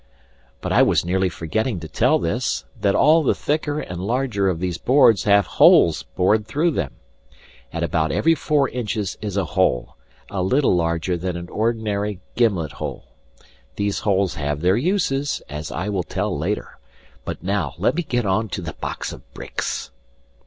(But I was nearly forgetting to tell this, that all the thicker and larger of these boards have holes bored through them. At about every four inches is a hole, a little larger than an ordinary gimlet hole. These holes have their uses, as I will tell later, but now let me get on to the box of bricks.)